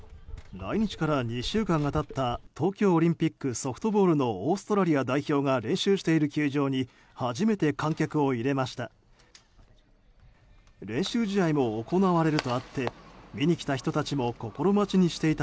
来日から２週間が経った東京オリンピックのソフトボールのオーストラリア代表が練習している球場に初めて観客を入れました。